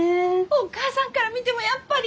お母さんから見てもやっぱり？